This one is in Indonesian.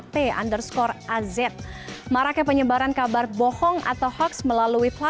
terima kasih mbak rianita